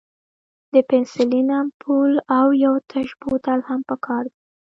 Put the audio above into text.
د پنسلین امپول او یو تش بوتل هم پکار دی.